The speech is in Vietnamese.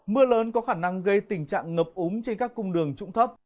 mưa lớn có khả năng gây tình trạng ngập úng trên các cung đường trụng thấp